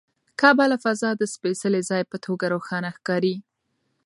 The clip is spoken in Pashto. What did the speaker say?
کعبه له فضا د سپېڅلي ځای په توګه روښانه ښکاري.